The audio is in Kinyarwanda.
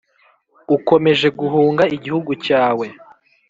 ukomeje guhunga igihugu cyawe,